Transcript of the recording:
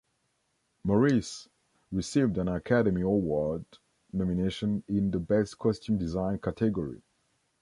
"Maurice" received an Academy Award nomination in the Best Costume Design category.